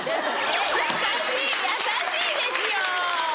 えっ優しい優しいですよ。